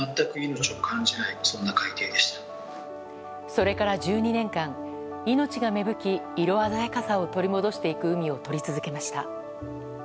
それから１２年間命が芽吹き色鮮やかさを取り戻していく海を撮り続けました。